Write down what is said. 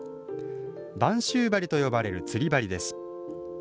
播州針と呼ばれる釣り針です。